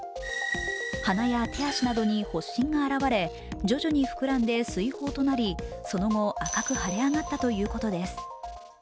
鼻や手足などに発疹が表れ徐々に膨らんで水疱となり、その後赤く腫れ上がったということです。